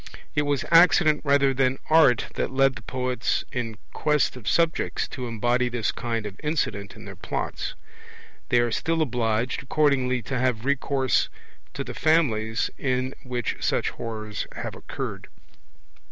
It was accident rather than art that led the poets in quest of subjects to embody this kind of incident in their Plots. They are still obliged, accordingly, to have recourse to the families in which such horrors have occurred.